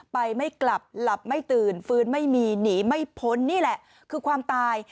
ไม่กลับหลับไม่ตื่นฟื้นไม่มีหนีไม่พ้นนี่แหละคือความตาย